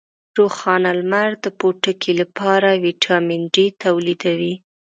روښانه لمر د پوټکي لپاره ویټامین ډي تولیدوي.